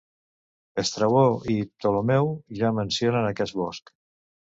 Estrabó i Ptolemeu ja mencionen aquest bosc.